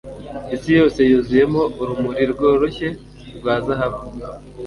Isi yose yuzuyemo urumuri rworoshye rwa zahabu